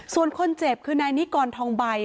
ส่วนคนเจ็บคือนายนิกรทองใบ